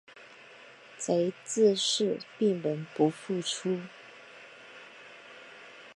贼自是闭门不复出。